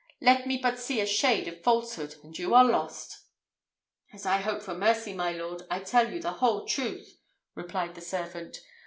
Let me but see a shade of falsehood, and you are lost!" "As I hope for mercy, my lord, I tell you the whole truth," replied the servant.